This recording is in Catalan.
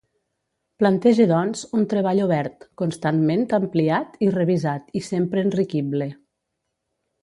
Plantege doncs un treball obert, constantment ampliat i revisat i sempre enriquible.